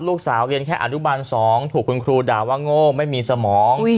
ลูกสาวเรียนแค่อนุบาล๒ถูกคุณครูด่าว่าโง่ไม่มีสมอง